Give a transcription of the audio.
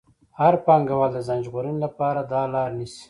هر پانګوال د ځان ژغورنې لپاره دا لار نیسي